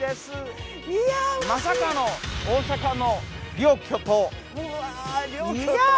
まさかの大阪の両巨頭。